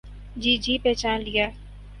جی جی پہچان لیا۔